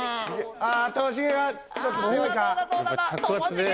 ああともしげがちょっと強いか？